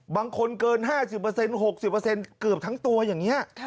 เกิน๕๐๖๐เกือบทั้งตัวอย่างนี้